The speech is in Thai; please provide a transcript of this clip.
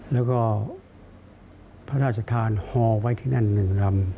แล้วก็พระราชฐานฮไว้ที่นั่นหนึ่งลำ